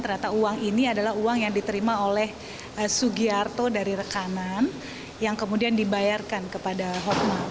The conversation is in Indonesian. ternyata uang ini adalah uang yang diterima oleh sugiarto dari rekanan yang kemudian dibayarkan kepada hotma